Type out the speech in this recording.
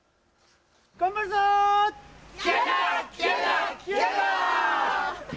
頑張るぞ。